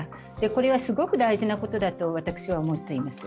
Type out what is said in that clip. これはすごく大事なことだと私は思っています。